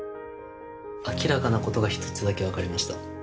明らかなことが１つだけ分かりました。